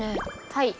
はい。